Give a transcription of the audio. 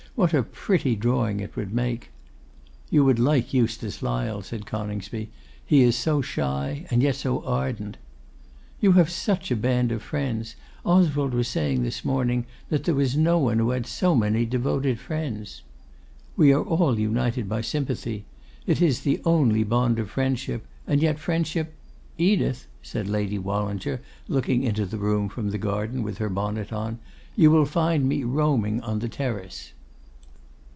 What a pretty drawing it would make!' 'You would like Eustace Lyle,' said Coningsby. 'He is so shy and yet so ardent.' 'You have such a band of friends! Oswald was saying this morning there was no one who had so many devoted friends.' 'We are all united by sympathy. It is the only bond of friendship; and yet friendship ' 'Edith,' said Lady Wallinger, looking into the room from the garden, with her bonnet on, 'you will find me roaming on the terrace.